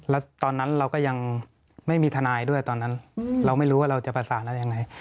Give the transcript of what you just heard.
แล้วตอนนั้นเราก็ยังไม่มีทนายด้วยตอนนั้นเราไม่รู้ว่าเราจะประสานอะไรยังไง